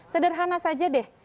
sederhana saja deh